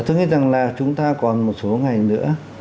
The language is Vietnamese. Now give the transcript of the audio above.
thực hiện rằng là chúng ta còn một số ngày nữa